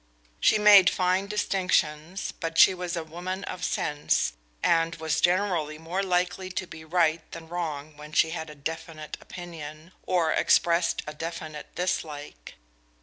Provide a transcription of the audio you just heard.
She made fine distinctions, but she was a woman of sense, and was generally more likely to be right than wrong when she had a definite opinion, or expressed a definite dislike.